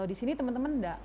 ini temen temen enggak